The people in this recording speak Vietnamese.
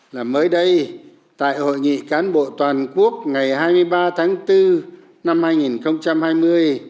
là mới đây tại hội nghị cán bộ toàn quốc ngày hai mươi ba tháng bốn năm hai nghìn hai mươi